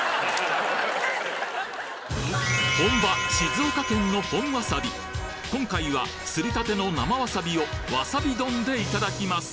本場静岡県の本わさび今回は擦りたての生わさびをわさび丼でいただきます！